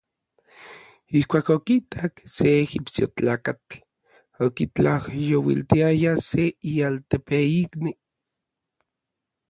Ijkuak okitak se ejipsiojtlakatl okitlajyouiltiaya se ialtepeikni.